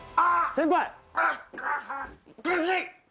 先輩！